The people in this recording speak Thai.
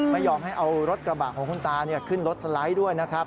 ไม่ยอมให้เอารถกระบะของคุณตาขึ้นรถสไลด์ด้วยนะครับ